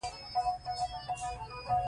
پر سمندري او ځمکنيو لارو پانګونه زیاته شوه.